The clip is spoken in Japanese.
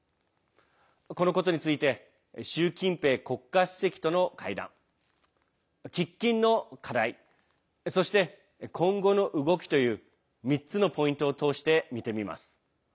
このことについて習近平国家主席との会談喫緊の課題そして、今後の動きという３つのポイントを通して見てみます。